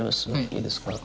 いいですか？